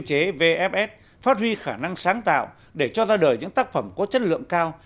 cơ chế vfs phát huy khả năng sáng tạo để cho ra đời những tác phẩm có chất lượng cao